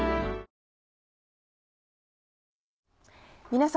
皆様。